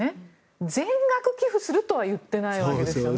全額寄付するとは言ってないわけですよね。